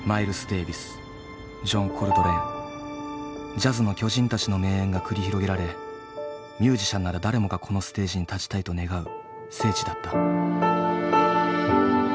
ジャズの巨人たちの名演が繰り広げられミュージシャンなら誰もがこのステージに立ちたいと願う聖地だった。